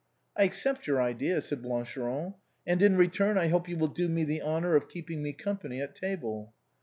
" I accept your idea," said Blancheron :" and in return, I hope you will do me the honor of keeping me company at table."